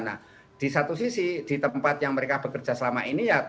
nah di satu sisi di tempat yang mereka bekerja selama ini ya